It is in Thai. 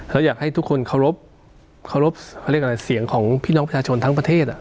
แล้วอยากให้ทุกคนเคารพเคารพเขาเรียกอะไรเสียงของพี่น้องประชาชนทั้งประเทศ